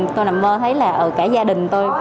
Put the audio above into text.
tôi nằm mơ thấy là cả gia đình tôi